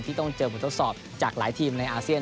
ที่ต้องเจอปฏิเสธสอบจากหลายทีมในอาเซียน